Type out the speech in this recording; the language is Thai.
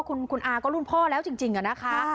คุณอ้าก็รุ่นพ่อแล้วนะคะ